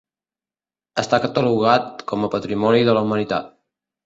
Està catalogat com a Patrimoni de la Humanitat.